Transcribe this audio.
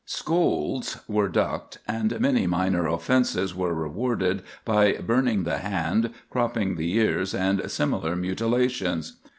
Scolds were ducked, and many minor offences were rewarded by burning the hand, cropping the ears, and similar mutilations.